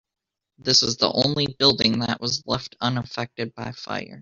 This is the only building that was left unaffected by fire.